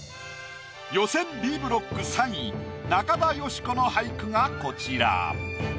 予選Ｂブロック３位中田喜子の俳句がこちら。